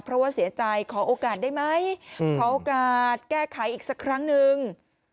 เพราะว่าเสียใจขอโอกาสได้ไหมขอโอกาสแก้ไขอีกสักครั้งนึง